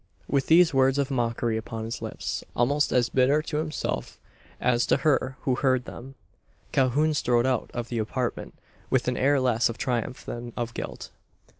With these words of mockery upon his lips almost as bitter to himself as to her who heard them Calhoun strode out of the apartment, with an air less of triumph than of guilt.